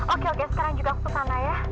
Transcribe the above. oke oke sekarang juga aku kesana ya